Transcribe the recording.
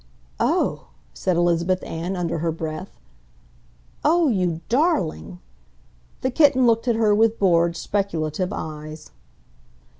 "Oh!" said Elizabeth Ann under her breath. "Oh, you DARLING!" The kitten looked at her with bored, speculative eyes.